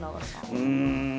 うん。